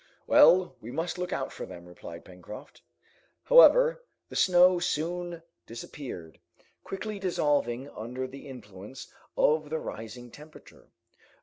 "Well, we must look out for them," replied Pencroft. However, the snow soon disappeared, quickly dissolving under the influence of the rising temperature.